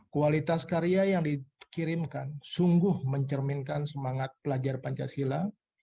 kualitas karya yang dikirimkan sungguh mencerminkan semangat pelajar pancasila